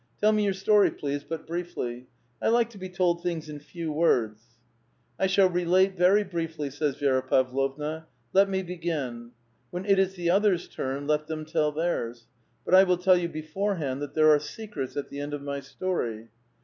Tell me your story, please, but briefly ; I like to be told things in few words." " I shall relate very briefly." says Vi^ra Pavlovna ; let me begin. When it is the others' turn, let them tell theirs. But I will tell vou beforehand that there are secrets at the end of my story."